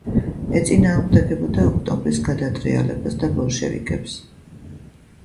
ეწინააღმდეგებოდა ოქტომბრის გადატრიალებას და ბოლშევიკებს.